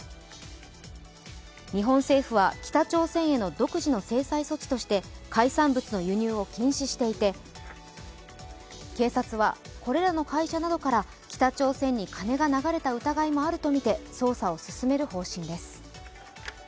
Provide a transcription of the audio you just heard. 日本政府は北朝鮮への独自の制裁措置として海産物の輸入を禁止していて警察はこれらの会社などから北朝鮮に金が流れた疑いもあるとみて捜査を進める方針です。